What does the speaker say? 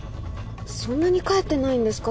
そんなに帰ってないんですか？